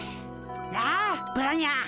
なあブラニャー！